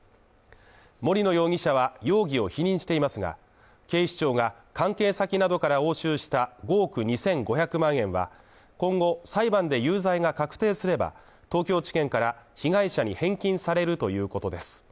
森野容疑者は容疑を否認していますが、警視庁が関係先などから押収した５億２５００万円は今後、裁判で有罪が確定すれば、東京地検から、被害者に返金されるということです。